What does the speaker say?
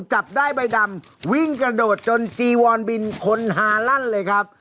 จับได้ใบดำวิ่งกระโดดจนจีวอนบินคนฮาลั่นเลยครับ